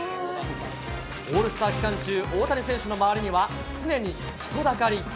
オールスター期間中、大谷選手の周りには、常に人だかり。